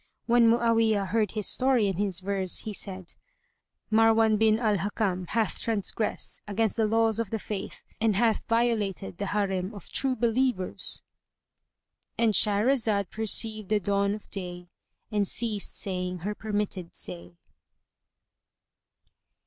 When Mu'awiyah heard his story and his verse, he said, "Marwan bin al Hakam hath transgressed against the laws of the Faith and hath violated the Harim of True Believers!"——And Shahrazad perceived the dawn of day and ceased saying her permitted say.